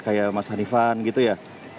kayak mas hanifan gitu ya